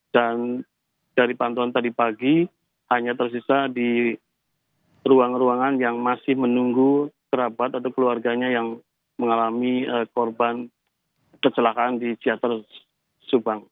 dan dari pantuan tadi pagi hanya tersisa di ruang ruangan yang masih menunggu kerabat atau keluarganya yang mengalami korban kecelakaan di jatuh subang